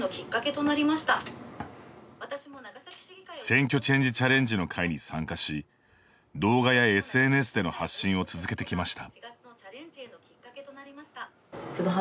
選挙チェンジチャレンジの会に参加し、動画やＳＮＳでの発信を続けてきました。